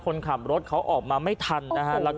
คนขับรถเขาออกมาไม่ทันนะฮะ